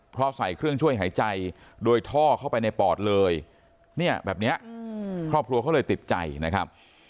เพราะใส่เครื่องช่วยหายใจโดยท่อเข้าไปในปอดเลยเนี่ยแบบนี้ครอบครัวเขาเลยติดใจนะครับ